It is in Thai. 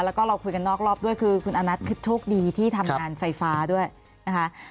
แล้วก็เราคุยกันนอกรอบด้วยคือคุณอานัทคือโชคดีที่ทำงานไฟฟ้าด้วยนะคะ